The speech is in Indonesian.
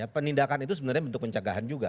penindakan itu sebenarnya bentuk pencegahan juga